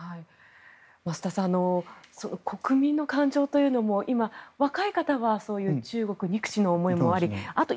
増田さん国民の感情というのも今、若い方は中国憎しの思いもありあと